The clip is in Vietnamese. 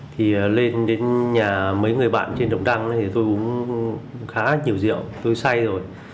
thì lên đến nhà mấy người bạn trên đồng đăng thì tôi uống khá nhiều rượu tôi say rồi